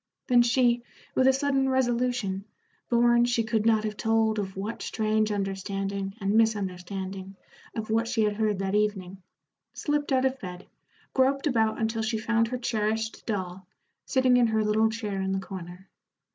Then she, with a sudden resolution, born she could not have told of what strange understanding and misunderstanding of what she had heard that evening, slipped out of bed, groped about until she found her cherished doll, sitting in her little chair in the corner.